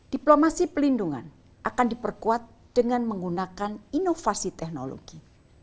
diplomasi pelindungan akan diperkuat dengan menggunakan inovasi teknologi